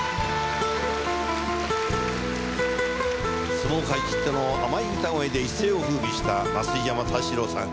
相撲界きっての甘い歌声で一世をふうびした増位山太志郎さん。